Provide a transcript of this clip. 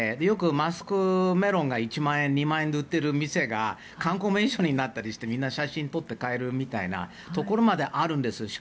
よくマスクメロンが１万円、２万円で売ってる店が観光名所になったりしてみんな写真を撮って帰るみたいなところまであるんです。